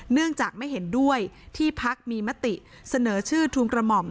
เนื่องจากไม่เห็นด้วยที่พักมีมติเสนอชื่อทูลกระหม่อม